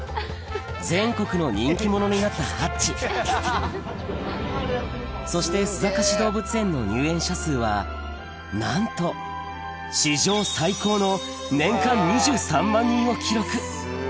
全国の人気者になったハッチそして須坂市動物園の入園者数はなんと史上最高の年間を記録